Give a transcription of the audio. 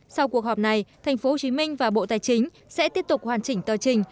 sau cuộc họp này tp hcm và bộ tài chính sẽ tiếp tục hoàn chỉnh tờ trình